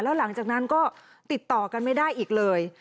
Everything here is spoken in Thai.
แล้วหลังจากนั้นก็ติดต่อกันไม่ได้อีกเลย